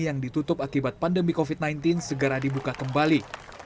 yang ditutup akibat pandemi covid sembilan belas segera dibuka kembali